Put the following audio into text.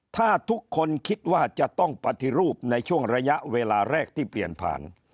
ถ้าทุกคนคิดว่าจะต้องปฏิรูปในช่วงระยะเวลาแรกที่เปลี่ยนผ่าน